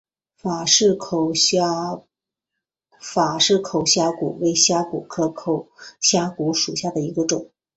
法氏口虾蛄为虾蛄科口虾蛄属下的一个种。